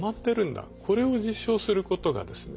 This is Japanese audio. これを実証することがですね